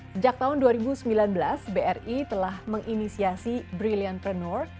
sejak tahun dua ribu sembilan belas bri telah menginisiasi brilliantpreneur